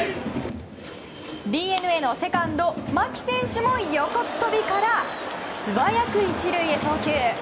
ＤｅＮＡのセカンド、牧選手も横っ飛びから素早く１塁へ送球。